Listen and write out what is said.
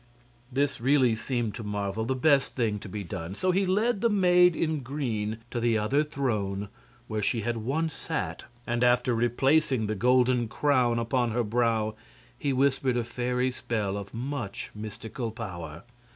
This really seemed to Marvel the best thing to be done. So he led the maid in green to the other throne, where she had once sat, and after replacing the golden crown upon her brow he whispered a fairy spell of much mystical power.